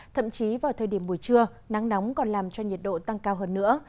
thậm chí vào thời điểm buổi trưa nắng nóng còn làm cho nhiệt độ tăng cao hơn nữa